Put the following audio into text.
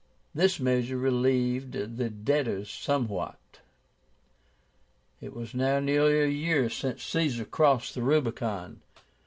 This measure relieved the debtors somewhat. It was now nearly a year since Caesar crossed the Rubicon.